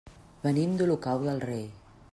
Venim d'Olocau del Rei.